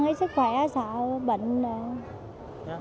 hết sức khỏe sợ bệnh